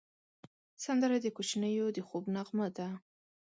سندره د کوچنیو د خوب نغمه ده